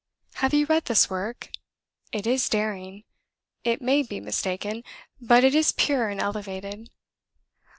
Have you read this work? It is daring, it may be mistaken, but it is pure and elevated.